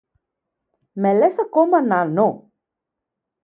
Με λες ακόμα νάνο;